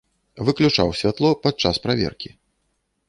Выключаў святло падчас праверкі.